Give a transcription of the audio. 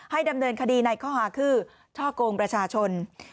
ดำเนินคดีในข้อหาคือช่อกงประชาชน